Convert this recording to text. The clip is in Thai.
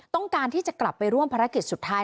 ต้องการที่จะกลับไปร่วมภารกิจสุดท้าย